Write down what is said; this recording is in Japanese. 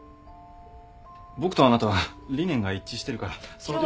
僕とあなたは理念が一致してるからそれで。